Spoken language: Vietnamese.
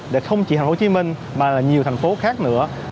để không chỉ thành phố hồ chí minh mà là nhiều thành phố khác nữa